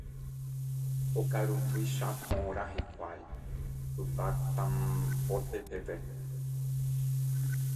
okaru tuicha porã hikuái hyvatãmbóte peve